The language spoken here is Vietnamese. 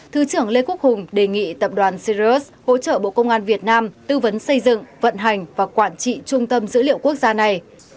thứ trưởng lê quốc hùng đề nghị tập đoàn sirius hỗ trợ bộ công an việt nam tư vấn xây dựng vận hành và quản trị trung tâm dữ liệu quốc gia này